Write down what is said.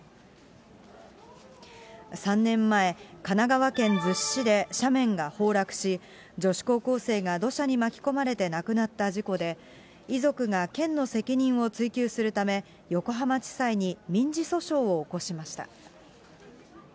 ３年前、神奈川県逗子市で斜面が崩落し、女子高校生が土砂に巻き込まれて亡くなった事故で、遺族が、県の責任を追及するため、横浜地裁に民事訴訟を起こしました。